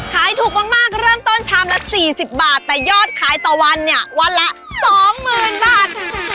ขายถูกมากเริ่มต้นชามละ๔๐บาทแต่ยอดขายต่อวันเนี่ยวันละ๒๐๐๐บาท